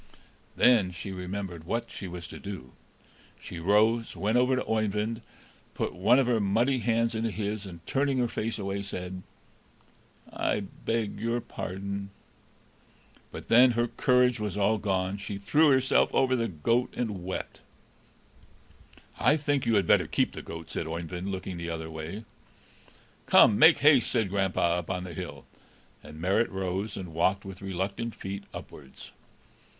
Then she remembered what she was to do; she rose, went over to Oeyvind, put one of her muddy hands into his, and, turning her face away, said: "I beg your pardon!" But then her courage was all gone; she threw herself over the goat, and wept. "I think you had better keep the goat," said Oeyvind, looking the other way. "Come, make haste!" said grandpapa, up on the hill; and Marit rose, and walked with reluctant feet upwards.